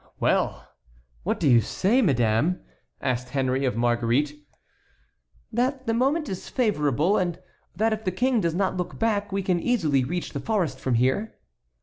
"Well! what do you say, madame?" asked Henry of Marguerite. "That the moment is favorable, and that if the King does not look back we can easily reach the forest from here."